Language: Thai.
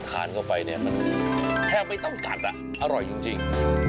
ทานเข้าไปเนี่ยมันแทบไม่ต้องกัดอ่ะอร่อยจริง